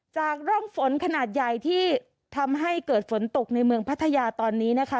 จากร่องฝนขนาดใหญ่ที่ทำให้เกิดฝนตกในเมืองพัทยาตอนนี้นะคะ